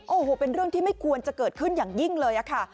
โอ้โหเป็นเรื่องที่ไม่ควรจะเกิดขึ้นอย่างยิ่งเลยค่ะ